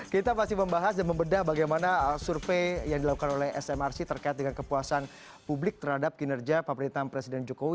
kita masih membahas dan membedah bagaimana survei yang dilakukan oleh smrc terkait dengan kepuasan publik terhadap kinerja pemerintahan presiden jokowi